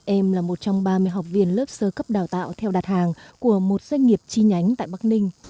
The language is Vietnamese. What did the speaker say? em là một trong ba mươi học viên lớp sơ cấp đào tạo theo đặt hàng của một doanh nghiệp chi nhánh tại bắc ninh